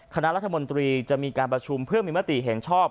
คณะรัฐมนตรีจะมีการประชุมเพื่อมีมติเห็นชอบ